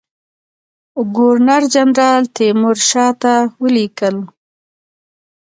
ګورنر جنرال تیمورشاه ته ولیکل.